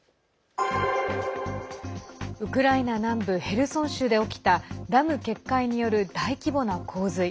ウクライナ南部ヘルソン州で起きたダム決壊による大規模な洪水。